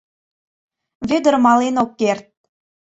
Вӧдыр мален ок керт.